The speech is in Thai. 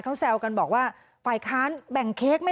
ปขุมพิธา